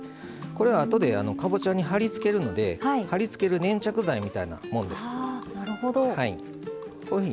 これは、あとでかぼちゃにはりつけるのではりつける粘着剤みたいなものです。